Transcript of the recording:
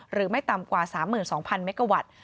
หรือไม่ต่ำกว่า๓๒๐๐เมกาวัตต์